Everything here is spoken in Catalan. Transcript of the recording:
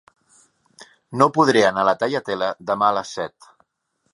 No podré anar a la Tagliatella demà a les set.